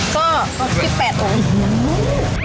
ความลุ